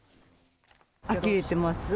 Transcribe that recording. あきれてます。